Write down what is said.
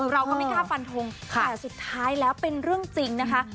เราก็ไม่กล้าฟันทงแต่สุดท้ายแล้วเป็นเรื่องจริงนะคะ